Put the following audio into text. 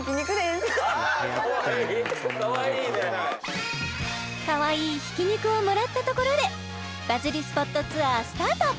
かわいいかわいいねかわいい「ひき肉」をもらったところでバズりＳＰＯＴツアースタート！